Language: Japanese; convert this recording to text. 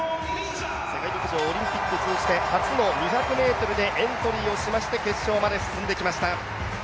世界陸上、オリンピック通じて初の２００ｍにエントリーをしまして決勝まで進んできました。